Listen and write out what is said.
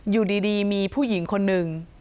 อยู่ดีมีผู้หญิงคนหนึ่ง